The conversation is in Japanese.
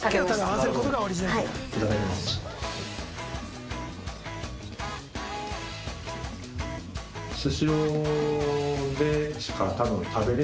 いただきます。